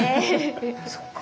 そっか。